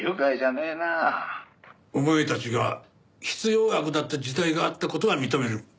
お前たちが必要悪だった時代があった事は認める。